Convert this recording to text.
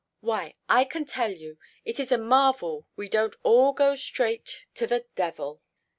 Why, I can tell you, it is a marvel we don't all go straight to the devil."